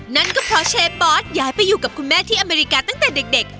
นั่นก็เพราะเชฟบอสย้ายไปอยู่กับคุณแม่ที่อเมริกาตั้งแต่เด็ก